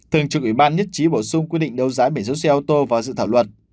thường trực ủy ban nhất trí bổ sung quy định đấu giá biển giữ xe ô tô vào dự thảo luật